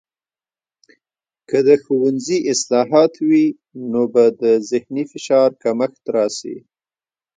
که د ښوونځي اصلاحات وي، نو به د ذهني فشار کمښت راسي.